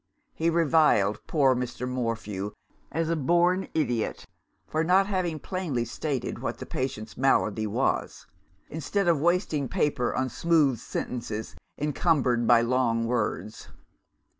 He reviled poor Mr. Morphew as "a born idiot" for not having plainly stated what the patient's malady was, instead of wasting paper on smooth sentences, encumbered by long words.